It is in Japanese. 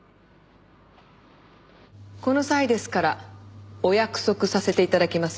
この際ですからお約束させて頂きます。